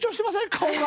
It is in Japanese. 顔が。